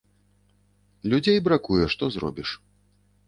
Людзей бракуе, што зробіш.